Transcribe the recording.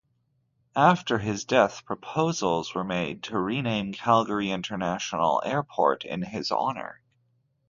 After his death proposals were made to rename Calgary International Airport in his honour.